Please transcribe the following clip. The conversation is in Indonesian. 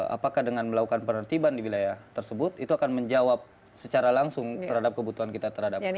apakah dengan melakukan penertiban di wilayah tersebut itu akan menjawab secara langsung terhadap kebutuhan yang ada di luar